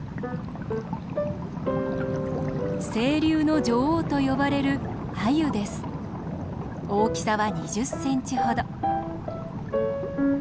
「清流の女王」と呼ばれる大きさは２０センチほど。